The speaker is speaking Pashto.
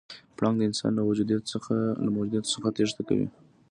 پړانګ د انسان له موجودیت څخه تېښته کوي.